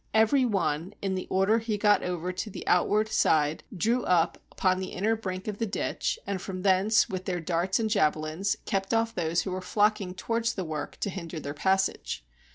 Every one, in the order he got over to the outward 162 THE SIEGE OF PLAT^A side, drew up upon the inner brink of the ditch, and from thence, with their darts and javelins, kept off those who were flocking towards the work to hinder their passage.